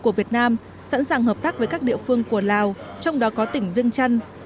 của việt nam sẵn sàng hợp tác với các địa phương của lào trong đó có tỉnh viêng trăn